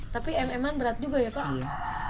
tapi emang berat juga ya pak